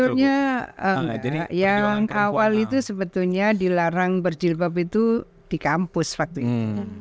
sebetulnya yang awal itu sebetulnya dilarang berjilbab itu di kampus waktu itu